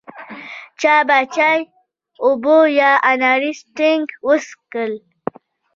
چا به چای، اوبه یا اناري سټینګ وڅښل.